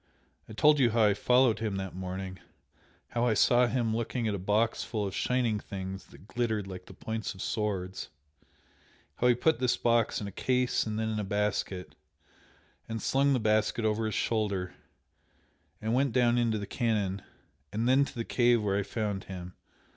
I told you how I followed him that morning how I saw him looking at a box full of shining things that glittered like the points of swords, how he put this box in a case and then in a basket, and slung the basket over his shoulder, and went down into the canon, and then to the cave where I found him.